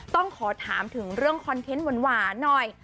ต้องขอถามถึงเรื่องคอนเทนต์หวานหน่อย